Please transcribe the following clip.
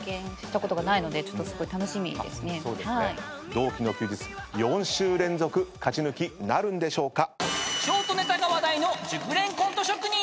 同期の休日４週連続勝ち抜きなるんでしょうか？